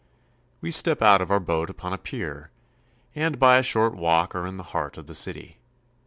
We step out of our boat upon a pier, and by a short walk are in the heart of the city.